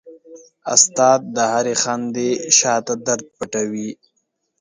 استاد د هرې خندې شاته درد پټوي.